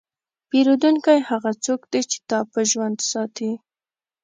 پیرودونکی هغه څوک دی چې تا په ژوند ساتي.